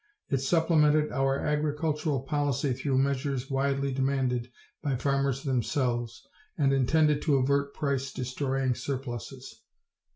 It supplemented our agricultural policy through measures widely demanded by farmers themselves and intended to avert price destroying surpluses.